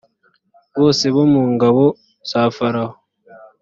bose bo mu ngabo za farawo